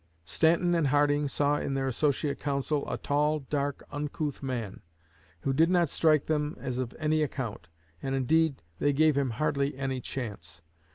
Stanton and Harding saw in their associate counsel "a tall, dark, uncouth man, who did not strike them as of any account, and, indeed, they gave him hardly any chance."